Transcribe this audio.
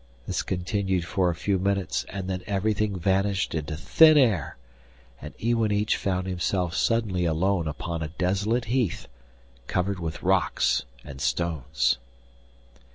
This continued for a few minutes, and then everything vanished into thin air, and Iwanich found himself suddenly alone upon a desolate heath covered with rocks and stones.